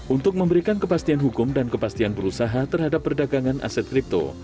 untuk memberikan kepastian hukum dan kepastian berusaha terhadap perdagangan aset kripto